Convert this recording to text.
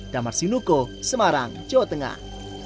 damar sinuko semarang jawa tengah